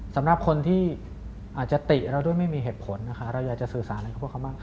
สำหรับคนที่อาจจะติเราด้วยไม่มีเหตุผลนะคะเราอยากจะสื่อสารอะไรกับพวกเขามาก